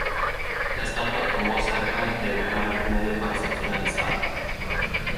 La estatua tomó cerca de un año y medio para ser finalizada.